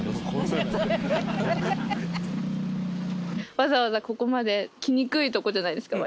わざわざここまで来にくいとこじゃないですか割と。